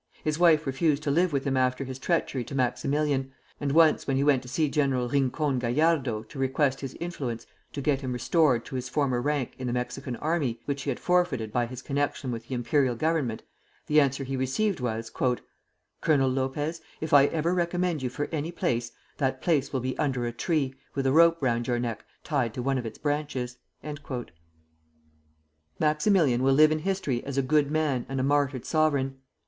His wife refused to live with him after his treachery to Maximilian; and once when he went to see General Rincon Gallardo to request his influence to get himself restored to his former rank in the Mexican army, which he had forfeited by his connection with the Imperial Government, the answer he received was: "Colonel Lopez, if I ever recommend you for any place, that place will be under a tree, with a rope round your neck tied to one of its branches." Maximilian will live in history as a good man and a martyred sovereign.